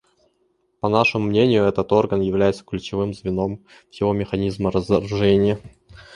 По нашему мнению, этот орган является ключевым звеном всего механизма разоружения.